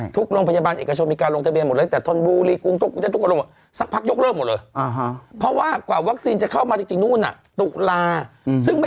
ทุกโรงพยาบาลเอกชมิกานต์โรงทะเบียนหมดแล้ว